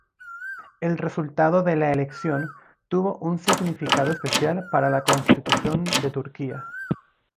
El resultado de la elección tuvo un significado especial para la constitución de Turquía.